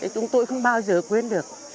chúng tôi không bao giờ quên được